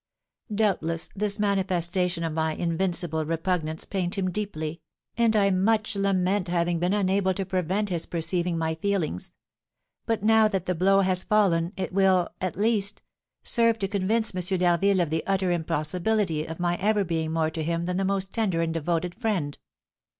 Doubtless this manifestation of my invincible repugnance pained him deeply, and I much lament having been unable to prevent his perceiving my feelings. But now that the blow has fallen, it will, at least, serve to convince M. d'Harville of the utter impossibility of my ever being more to him than the most tender and devoted friend."